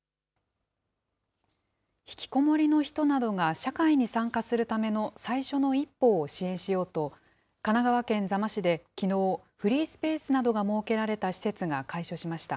引きこもりの人などが社会に参加するための最初の一歩を支援しようと、神奈川県座間市できのう、フリースペースなどが設けられた施設が開所しました。